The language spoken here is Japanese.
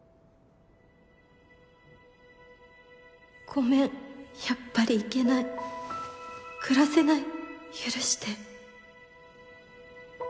「ごめんやっぱり行けない」「暮らせない。